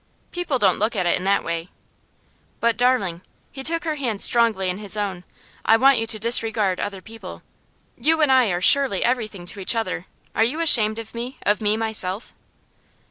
'People don't look at it in that way.' 'But, darling,' he took her hands strongly in his own, 'I want you to disregard other people. You and I are surely everything to each other? Are you ashamed of me, of me myself?